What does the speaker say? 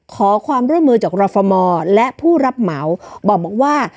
ขอความร่วมมือจากรฟมและผู้รับเหมาบอกว่า